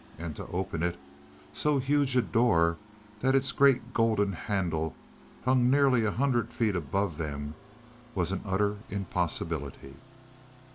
And to open it so huge a door that its great golden handle hung nearly a hundred feet above them was an utter impossibility.